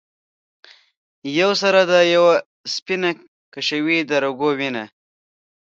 یوه سره ده یوه سپینه ـ کشوي د رګو وینه